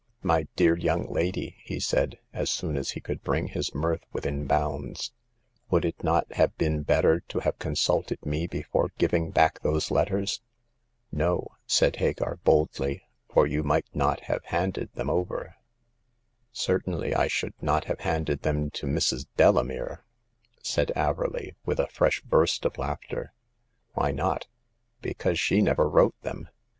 "My dear young lady," he said, as soon as he could bring his mirth with in bounds, '* would it not have been better to have consulted me before giving back those letters ?" No," said Hagar, boldly, "for you might not have handed them over*" The Ninth Customer. 249 " Certainly I should noi have handed them to Mrs. Delamere !" said Averley, with a fresh burst of laughter. ^* Why not?" " Because she never wrote them.